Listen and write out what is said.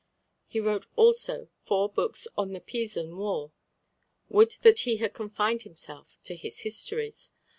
He wrote also four books on the Pisan War. Would that he had confined himself to his histories!